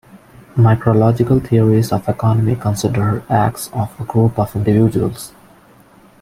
Micrological theories of economy consider acts of a group of individuals.